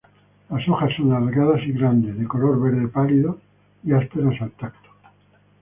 Las hojas son alargadas y grandes, de color verde pálido y ásperas al tacto.